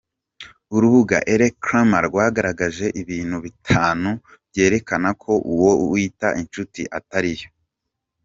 Urubuga elcrema rwagaragaje ibintu bitanu byerekana ko uwo wita inshuti atari yo.